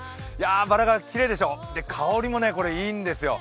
バラがきれいでしょう、香りもいいんですよ。